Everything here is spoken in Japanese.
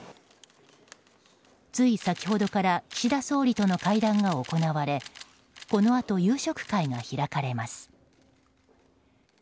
つい先ほどから岸田総理との会談が行われこのあと、夕食会が開かれます。